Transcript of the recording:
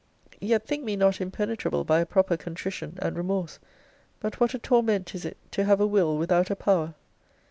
Yet think me not impenetrable by a proper contrition and remorse But what a torment is it to have a will without a power!